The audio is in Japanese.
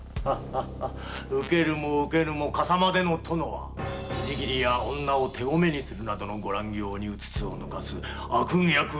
受けるも受けぬも笠間での殿は辻斬りや女を手込めにするなどご乱行に現を抜かす悪逆非道の暴君。